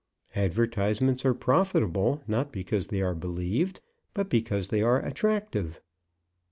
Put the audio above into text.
Advertisements are profitable, not because they are believed, but because they are attractive.